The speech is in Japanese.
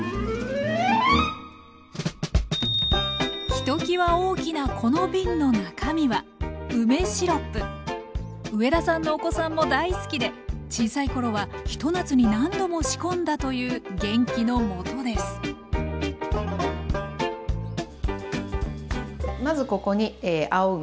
ひときわ大きなこの瓶の中身は上田さんのお子さんも大好きで小さい頃はひと夏に何度も仕込んだという元気のもとですまずここに青梅。